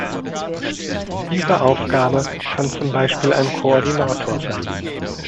Diese Aufgabe kann zum Beispiel ein Koordinator sein.